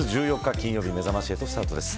金曜日めざまし８スタートです。